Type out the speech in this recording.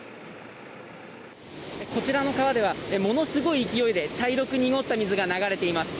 こちらの川ではものすごい勢いで茶色く濁った水が流れています。